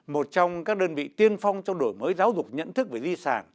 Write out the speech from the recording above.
một trong các đơn vị tiên phong trong đổi mới giáo dục nhận thức về di sản